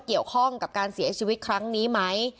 เกี่ยวข้องกับการเสียชีวิตครั้งนี้ไหม